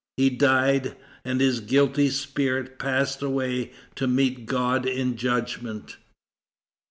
He died, and his guilty spirit passed away to meet God in judgment.